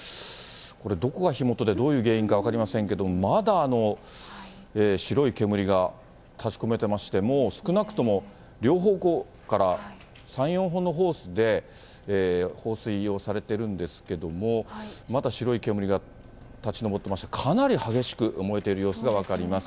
これ、どこが火元で、どういう原因か分かりませんけども、まだ白い煙が立ち込めてまして、もう少なくとも、両方向から３、４本のホースで、放水をされているんですけれども、まだ白い煙が立ち上ってまして、かなり激しく燃えている様子が分かります。